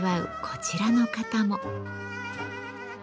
こちらの方も。